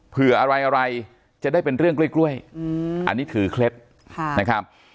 เผื่ออะไรอะไรจะได้เป็นเรื่องกล้วยอันนี้ถือเคล็ดนะครับ